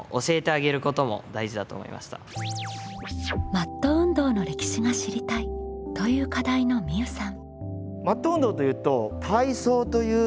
「マット運動の歴史が知りたい」という課題のみうさん。